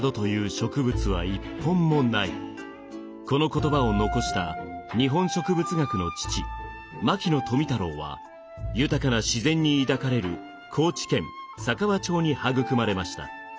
この言葉を残した日本植物学の父牧野富太郎は豊かな自然に抱かれる高知県佐川町に育まれました。